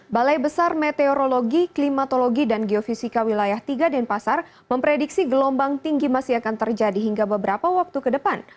balai besar meteorologi klimatologi dan geofisika wilayah tiga denpasar memprediksi gelombang tinggi masih akan terjadi hingga beberapa waktu ke depan